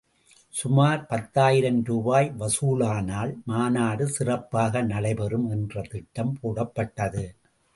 சுமார் பத்தாயிரம் ரூபாய் வசூலானால் மாநாடு சிறப்பாக நடைபெறும் என்று திட்டம் போடப்பட்டது.